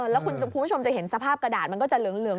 แล้วคุณผู้ชมจะเห็นสภาพกระดาษมันก็จะเหลือง